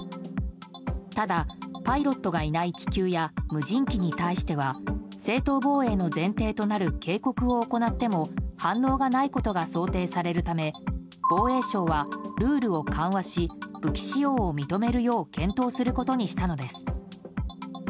ただ、パイロットがいない気球や無人機に対しては正当防衛の前提となる警告を行っても反応がないことが想定されるため防衛省はルールを緩和し武器使用を認めるよう検討することにしたのです。